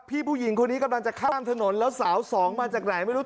ผู้หญิงคนนี้กำลังจะข้ามถนนแล้วสาวสองมาจากไหนไม่รู้